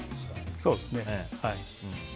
そうです。